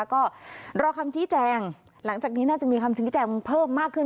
ก็รอคำชี้แจงหลังจากนี้น่าจะมีคำชี้แจงเพิ่มมากขึ้น